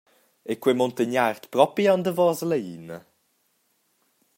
Ei quei muntagnard propi aunc davos la glina?